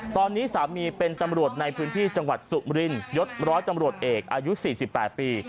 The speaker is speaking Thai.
ตอนนี้สามีเป็นตำรวจในพื้นที่จังหวัดสุมรินยศร้อยตำรวจเอกอายุ๔๘ปี